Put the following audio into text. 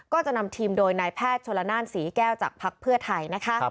ก็จะนำทีมโดยนายแพทย์ชนละนานศรีแก้วจากภักดิ์เพื่อไทยนะคะ